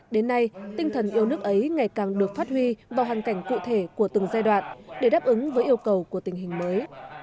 đến nay tinh thần yêu nước ấy ngày càng được phát huy vào hoàn cảnh cụ thể của từng giai đoạn để đáp ứng với yêu cầu của tình hình mới